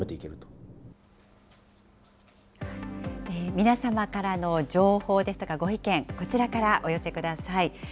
皆様からの情報ですとかご意見、こちらからお寄せください。